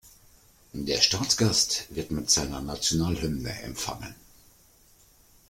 Der Staatsgast wird mit seiner Nationalhymne empfangen.